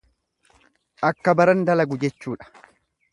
Akka baran dalagu jechuudha.